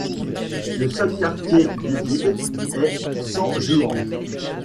Le seul quartier d'Ubide est San Juan.